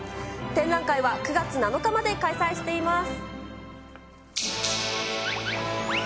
展覧会は、９月７日まで開催しています。